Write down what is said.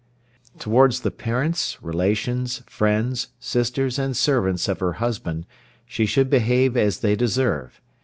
Towards the parents, relations, friends, sisters, and servants of her husband she should behave as they deserve.